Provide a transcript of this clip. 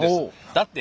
だってね